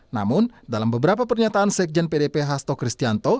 namun dalam beberapa pernyataan sekjen pdp hasto kristianto